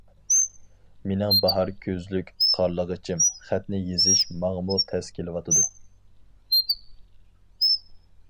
مېنىڭ باھار كۆزلۈك قارلىغىچىم، خەتنى يېزىش ماڭىمۇ تەس كېلىۋاتىدۇ.